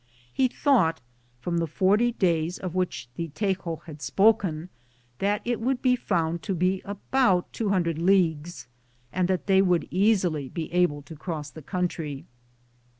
He thought, from the forty days of which the Tejo had spoken, that it would be found to be about 200 leagues, and that they would easily be able to cross the country.